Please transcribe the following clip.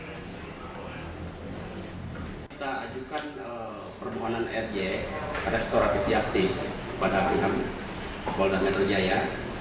kita ajukan permohonan rg restoratif justis kepada pihak kapolda metro jaya